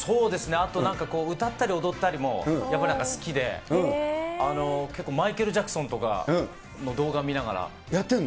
あとなんか歌ったり踊ったりも、やっぱりなんか好きで、結構マイケル・ジャクソンとかの動画見なやってるの？